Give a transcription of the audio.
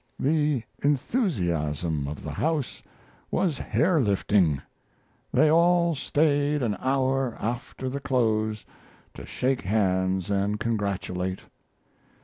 The enthusiasm of the house was hair lifting. They all stayed an hour after the close to shake hands and congratulate.